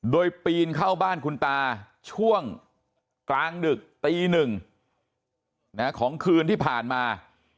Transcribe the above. โดยปีนเข้าบ้านคุณตาช่วงกลางดึกตีหนึ่งของคืนที่ผ่านมา